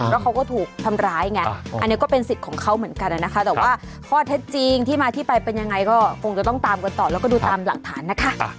แล้วเขาก็ถูกทำร้ายไงอันนี้ก็เป็นสิทธิ์ของเขาเหมือนกันนะคะแต่ว่าข้อเท็จจริงที่มาที่ไปเป็นยังไงก็คงจะต้องตามกันต่อแล้วก็ดูตามหลักฐานนะคะ